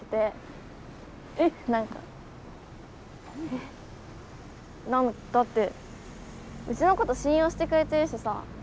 え⁉だってうちのこと信用してくれてるしさ。